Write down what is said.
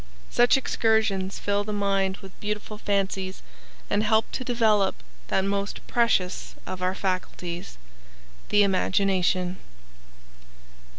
Such excursions fill the mind with beautiful fancies and help to develop that most precious of our faculties, the imagination.